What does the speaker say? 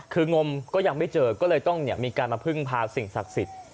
คืองมก็ยังไม่เจอก็เลยต้องมีการมาพึ่งพาสิ่งศักดิ์สิทธิ์